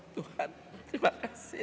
tuhan terima kasih